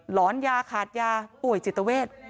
หอนยาขาดยาป่วยจิตเวท